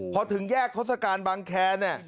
พอถึงแยกทศกัณฐ์บังแครนี่